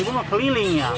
ibu rumah keliling ya